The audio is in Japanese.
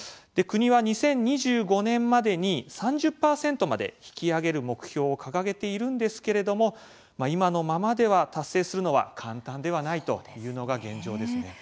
国は、２０２５年までに３０％まで引き上げる目標を掲げているんですけれども今のままでは達成するのは簡単ではないというのが現状です。